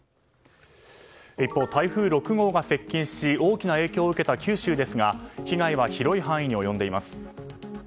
一方、台風６号が接近し大きな影響を受けた九州ですが被害は広い範囲に及んでいます。